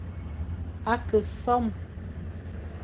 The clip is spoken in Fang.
A ke nsom.